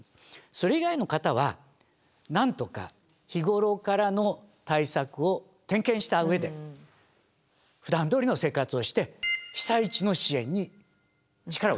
それ以外の方はなんとか日頃からの対策を点検した上でふだんどおりの生活をして被災地の支援に力を尽くしてほしい。